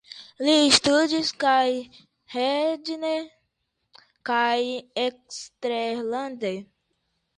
Li studis kaj hejme kaj eksterlande.